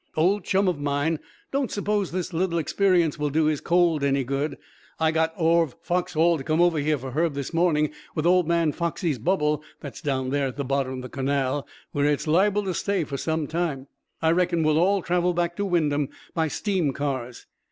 "Old chum of mine. Don't suppose this little experience will do his cold any good, I got Orv Foxhall to come over here for Herb this morning with old man Foxy's bubble that's down there at the bottom of the canal, where it's liable to stay for some time. I reckon we'll all travel back to Wyndham by steam cars."